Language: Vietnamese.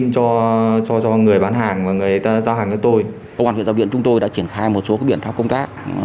công an huyện giao viện chúng tôi đã triển khai một số biện pháp công tác